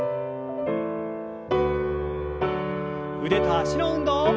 腕と脚の運動。